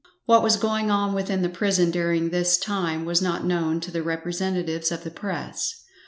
What was going on within the prison during this time was not known to the representatives of the press.